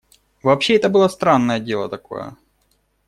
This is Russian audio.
Вообще это было странное дело такое.